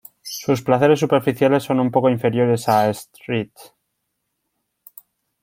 Sus placeres superficiales son un poco inferiores a "St.